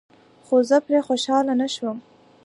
خو زه پرې خوشحاله نشوم.